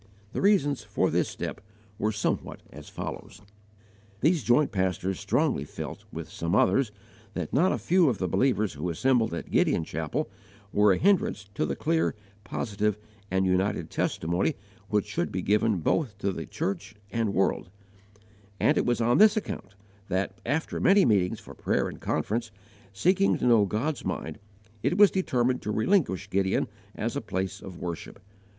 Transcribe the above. The reasons for this step were somewhat as follows: These joint pastors strongly felt, with some others, that not a few of the believers who assembled at Gideon Chapel were a hindrance to the clear, positive, and united testimony which should be given both to the church and world; and it was on this account that, after many meetings for prayer and conference, seeking to know God's mind, it was determined to relinquish Gideon as a place of worship.